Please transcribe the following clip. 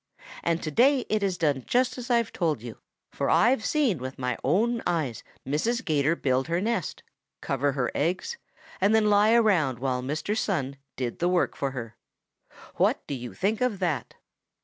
And today it is done just as I've told you, for I've seen with my own eyes Mrs. 'Gator build her nest, cover her eggs, and then lie around while Mr. Sun did the work for her. What do you think of that?"